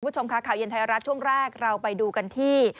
คุณผู้ชมค่ะข่าวเย็นไทยรัฐช่วงแรกเราไปดูกันที่